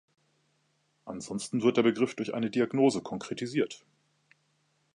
Ansonsten wird der Begriff durch eine Diagnose konkretisiert.